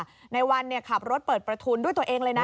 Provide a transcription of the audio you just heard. เวลาไหววันเนี่ยขับรถเปิดประทุนด้วยตัวเองเลยนะ